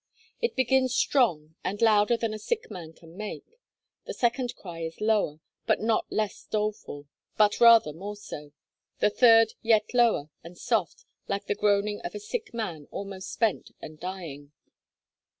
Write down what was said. It begins strong, and louder than a sick man can make; the second cry is lower, but not less doleful, but rather more so; the third yet lower, and soft, like the groaning of a sick man almost spent and dying.'